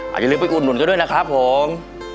อาจจะลืมไปอุ่นก็ด้วยนะครับผม